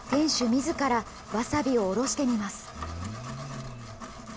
みずからわさびをおろしてみます。